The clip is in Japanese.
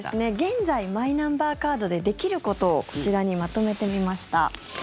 現在マイナンバーカードでできることをこちらにまとめてみました。